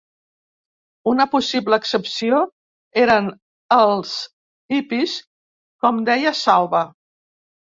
Una possible excepció eren els "hippies", com deia Salva.